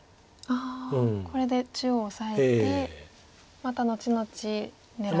ああこれで中央オサえてまた後々狙ってと。